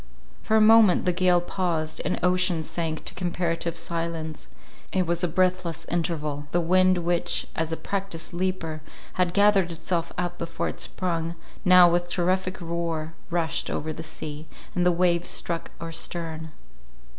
For a moment the gale paused, and ocean sank to comparative silence—it was a breathless interval; the wind which, as a practised leaper, had gathered itself up before it sprung, now with terrific roar rushed over the sea, and the waves struck our stern.